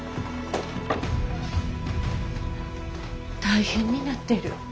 大変になってる。